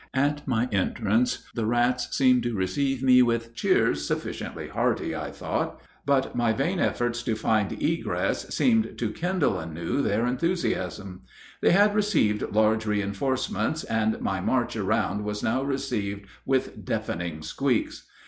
At my entrance the rats seemed to receive me with cheers sufficiently hearty, I thought; but my vain efforts to find egress seemed to kindle anew their enthusiasm. They had received large reinforcements, and my march around was now received with deafening squeaks.